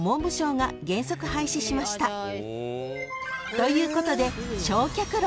ということで］